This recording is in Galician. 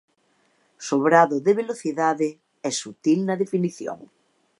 Sobrado de velocidade e sutil na definición.